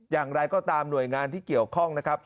อย่างไรก็ตามหน่วยงานที่เกี่ยวข้องนะครับ